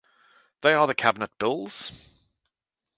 They are the cabinet bills.